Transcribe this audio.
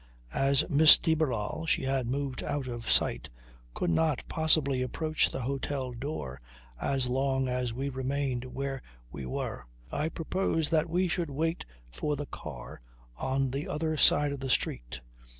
As Miss de Barral (she had moved out of sight) could not possibly approach the hotel door as long as we remained where we were I proposed that we should wait for the car on the other side of the street.